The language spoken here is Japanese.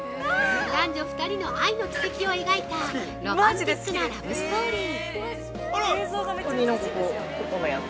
男女２人の愛の軌跡を描いたロマンチックなラブストーリー。